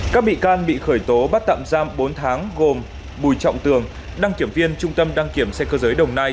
các bị can bị khởi tố bắt tạm giam bốn tháng gồm bùi trọng tường đăng kiểm viên trung tâm đăng kiểm xe cơ giới đồng nai